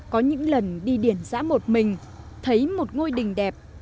có những lần đi điển giã một mình thấy một ngôi đình đẹp